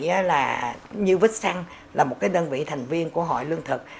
thì là như vích xăng là một cái đơn vị thành viên của hội lương thực